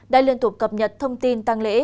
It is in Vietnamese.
đã liên tục cập nhật thông tin tăng lễ